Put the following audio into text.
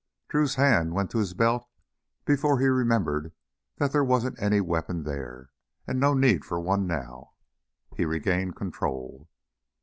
Drew's hand went to his belt before he remembered that there wasn't any weapon there, and no need for one now. He regained control.